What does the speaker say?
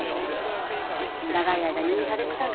長い間入院されてたんですけどね。